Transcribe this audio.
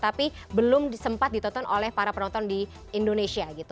tapi belum sempat ditonton oleh para penonton di indonesia gitu